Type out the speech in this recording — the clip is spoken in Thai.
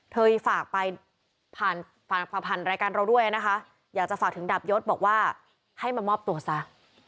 เธอฝากไปฝันรายการเราด้วยนะคะอยากจะฝากดับยศบอกว่าให้มันมอบตัวซ้า